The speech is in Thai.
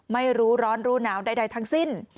ไม่รู้ร้อนรู้หนาวใดทั้งสิ้น